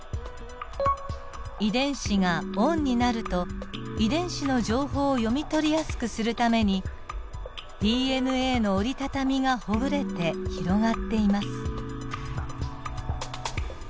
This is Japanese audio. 遺伝子がオンになると遺伝子の情報を読み取りやすくするためにＤＮＡの折りたたみがほぐれて広がっています。